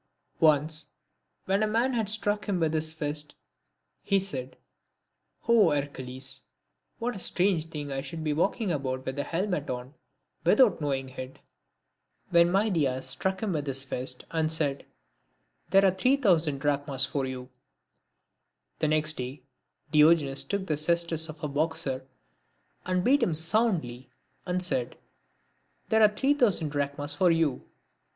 Once, when a man had struck him with his fist, he said," " O Hercules, what a strange thing that I should be walking about with a helmet on without know ing it !" When Midias struck him with his fist and said, " There are three thousand drachmas for you ;" the next day Diogenes took the cestus of a boxer and beat him soundly, and said, " There are three thousand drachmas for you."